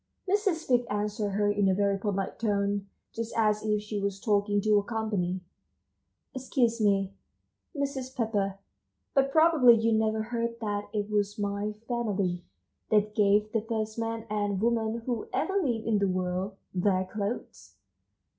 Mrs. Fig answered her in a very polite tone, just as if she was talking to company: "Excuse me, Mrs. Pepper, but probably you never heard that it was my family that gave the first man and woman who ever lived in the world their clothes!"